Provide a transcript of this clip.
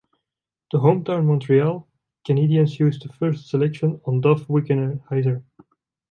The hometown Montreal Canadiens used the first selection on Doug Wickenheiser.